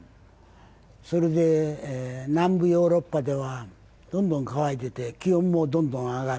それで南部ヨーロッパでは、どんどん乾いて、気温もどんどん上がる。